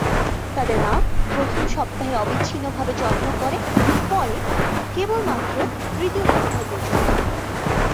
তাদের মা প্রথম সপ্তাহে অবিচ্ছিন্নভাবে যত্ন করে, পরে কেবলমাত্র তৃতীয় সপ্তাহ পর্যন্ত।